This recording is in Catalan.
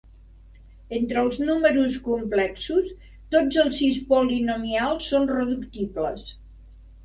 Entre els números complexos, tots els sis polinomials són reductibles.